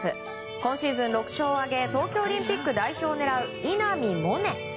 今シーズン６勝を挙げ東京オリンピック代表を狙う稲見萌寧。